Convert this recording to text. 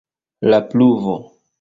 La pluvo.